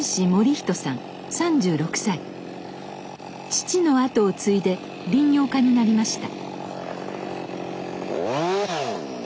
父の後を継いで林業家になりました。